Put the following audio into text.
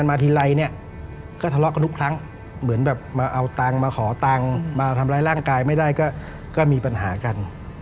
มาทำร้ายร่างกายไม่ได้ก็มีปัญหากัน